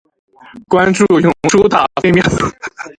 关注永雏塔菲喵